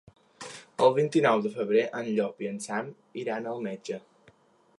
El vint-i-nou de febrer en Llop i en Sam iran al metge.